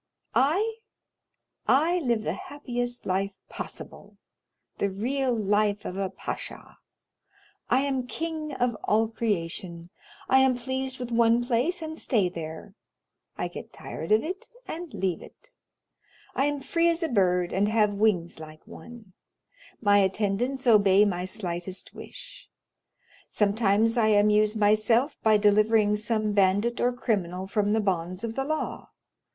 "I?—I live the happiest life possible, the real life of a pasha. I am king of all creation. I am pleased with one place, and stay there; I get tired of it, and leave it; I am free as a bird and have wings like one; my attendants obey my slightest wish. Sometimes I amuse myself by delivering some bandit or criminal from the bonds of the law.